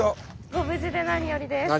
ご無事で何よりです。